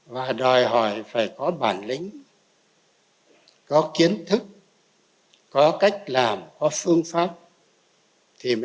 và đòi hỏi phải có bản lĩnh có kiến thức có cách làm có phương pháp thì mới đạt được hiệu quả